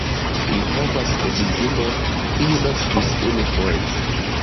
Li havas edzinon kiu naskis unufoje.